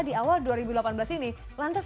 di awal dua ribu delapan belas ini lantas